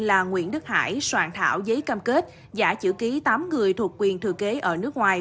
là nguyễn đức hải soạn thảo giấy cam kết giả chữ ký tám người thuộc quyền thừa kế ở nước ngoài